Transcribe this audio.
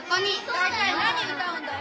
大体何歌うんだよ？